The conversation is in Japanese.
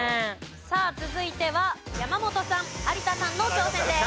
さあ続いては山本さん有田さんの挑戦です。